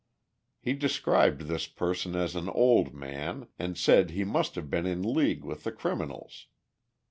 He described this person as an old man, and said he must have been in league with the criminals.